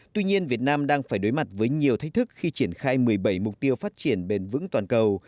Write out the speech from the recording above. tuy nhiên việt nam đang phải đối mặt với nhiều thách thức khi triển khai một mươi bảy mục tiêu phát triển bền vững toàn cầu